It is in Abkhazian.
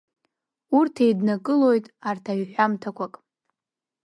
Уигь иеиднакылоит арҭ аҩ ҳәамҭақәак.